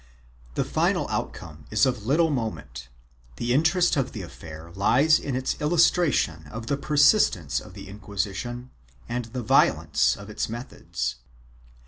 1 The final outcome is of little moment; the interest of the affair lies in its illustration of the persistence of the Inquisition and the violence of its methods.